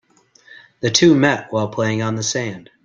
The two met while playing on the sand.